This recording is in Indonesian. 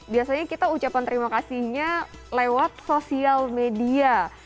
biasanya kita ucapan terima kasihnya lewat sosial media